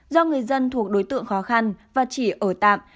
do người dân thuộc đối tượng khó khăn và chỉ ở tạm